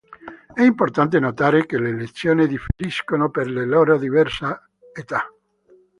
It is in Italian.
È importante notare che le lesioni differiscono per la loro diversa età.